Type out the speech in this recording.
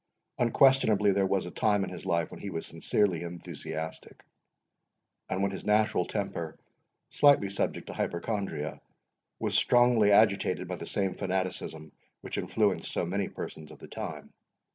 Unquestionably there was a time in his life when he was sincerely enthusiastic, and when his natural temper, slightly subject to hypochondria, was strongly agitated by the same fanaticism which influenced so many persons of the time.